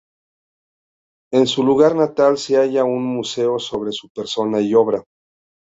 En su lugar natal se halla un museo sobre su persona y obra.